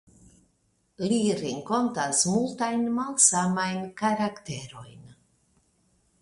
Li renkontas multajn malsamajn karakterojn.